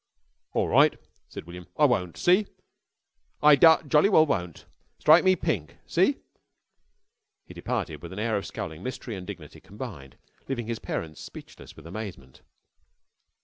_" "All right," said William. "I won't. See? I da jolly well won't. Strike me pink. See?" He departed with an air of scowling mystery and dignity combined, leaving his parents speechless with amazement.